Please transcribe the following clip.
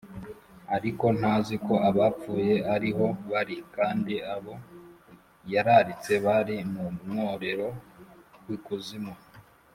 ariko ntazi ko abapfuye ari ho bari, kandi abo yararitse bari mu mworero w’ikuzimu